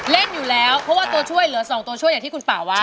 เล่นอยู่แล้วเพราะว่าตัวช่วยเหลือ๒ตัวช่วยอย่างที่คุณป่าว่า